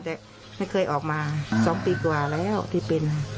แต่ไม่เคยออกมา๒ปีกว่าแล้วที่เป็น